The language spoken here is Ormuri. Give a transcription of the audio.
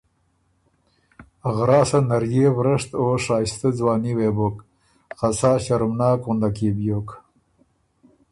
غراسه نريې ورشت او شائستۀ ځواني وې بُک، خه سا ݭرمناک غندک يې بیوک۔